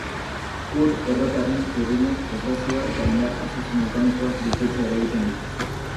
Ur-errotaren turbinak translazio eta indar prozesu mekaniko bikoitza eragiten du.